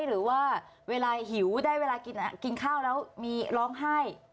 หรือว่าเวลาหิวได้เวลากินข้าวแล้วมีร้องไห้